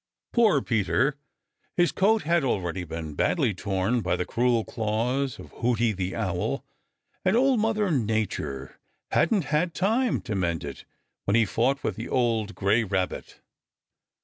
Poor Peter! His coat had already been badly torn by the cruel claws of Hooty the Owl, and Old Mother Nature hadn't had time to mend it when he fought with the old gray Rabbit.